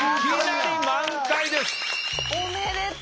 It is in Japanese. おめでとう！